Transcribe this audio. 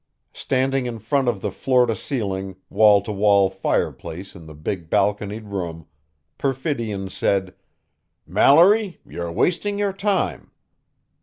Standing in front of the floor to ceiling, wall to wall fireplace in the big balconied room, Perfidion said, "Mallory, you're wasting your time.